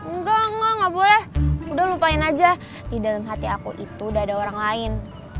enggak enggak boleh udah lupain aja di dalam hati aku itu udah ada orang lain